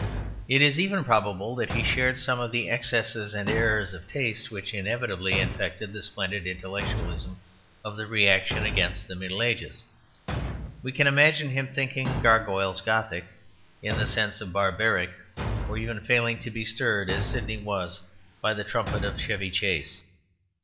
It is even probable that he shared some of the excesses and errors of taste which inevitably infected the splendid intellectualism of the reaction against the Middle Ages; we can imagine him thinking gargoyles Gothic, in the sense of barbaric, or even failing to be stirred, as Sydney was, by the trumpet of "Chevy Chase."